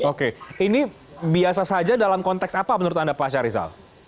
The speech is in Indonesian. oke ini biasa saja dalam konteks apa menurut anda pak syarizal